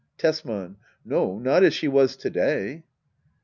Tesman. No^ not as she was to day.